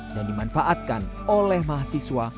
dan dimanfaatkan oleh mahasiswa